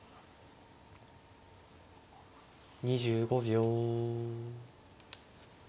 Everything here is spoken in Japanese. ２５秒。